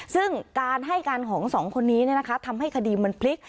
ซึ่งการให้การของสองคนนี้ทำให้คดีมันพลิก